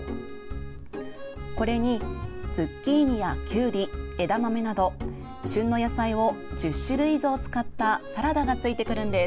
これにズッキーニやきゅうり、枝豆など旬の野菜を１０種類以上使ったサラダがついてくるんです。